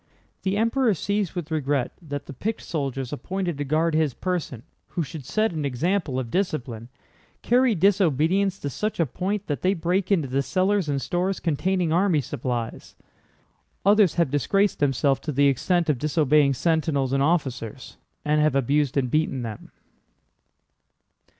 The Emperor sees with regret that the picked soldiers appointed to guard his person, who should set an example of discipline, carry disobedience to such a point that they break into the cellars and stores containing army supplies. Others have disgraced themselves to the extent of disobeying sentinels and officers, and have abused and beaten them."